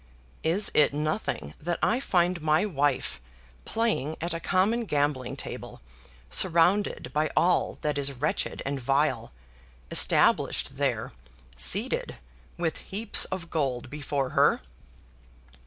"Is it nothing that I find my wife playing at a common gambling table, surrounded by all that is wretched and vile, established there, seated, with heaps of gold before her?"